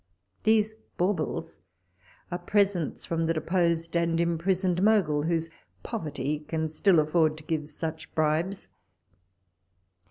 These baubles are presents from the deposed and imprisoned Mogul, whose poverty can still afford to give such bribes.